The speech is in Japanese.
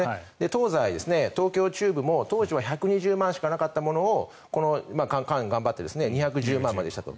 東西、東京、中部も当時は１２０万しかなかったものをこの間、頑張って２１０万までしたと。